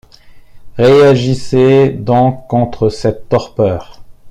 Réagissez donc contre cette torpeur.